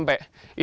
tapi kita sampai